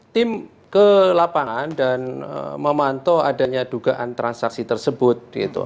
tim ke lapangan dan memantau adanya dugaan transaksi tersebut